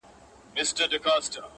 • ګیله مي ډېره درنه کيږي آشنا,